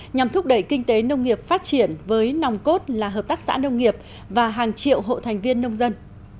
nhằm thúc đẩy kinh tế nông nghiệp phát triển với nòng cốt là hợp tác xã nông nghiệp và hàng triệu hộ thành viên nông dân